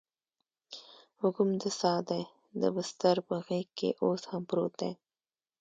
وږم د ساه دی دبسترپه غیږکې اوس هم پروت دي